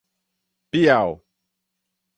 Piau